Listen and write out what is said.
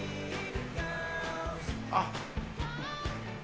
あっ。